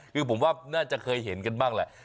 คือผมว่าน่าจะเคยเห็นกันบ้างแหละ